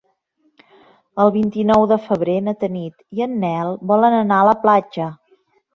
El vint-i-nou de febrer na Tanit i en Nel volen anar a la platja.